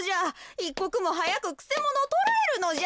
いっこくもはやくくせものをとらえるのじゃ。